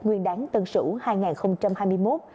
nguyên đáng tân sửu hai nghìn hai mươi một